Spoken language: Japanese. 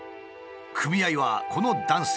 組合はこの男性